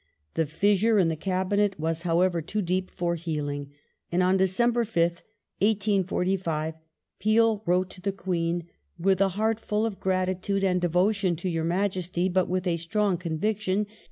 The fissure in the Cabinet was, however, too deep for healing, and on December 5th, 1845, Peel wrote to the Queen " with a heart full of gratitude and devotion to your Majesty, but with a strong conviction